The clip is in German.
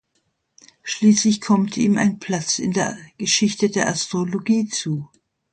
Schließlich kommt ihm ein Platz in der Geschichte der Astrologie zu.